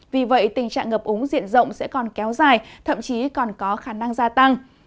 vì vậy tình trạng ngập úng diện rộng sẽ còn kéo dài thậm chí còn có khả năng gia tăng